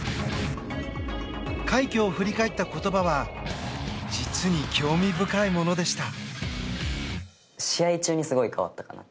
快挙を振り返った言葉は実に興味深いものでした。